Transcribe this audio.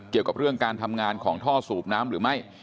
เกี่ยวกับเรื่องการทำงานของท่อสูบน้ำหรือไม่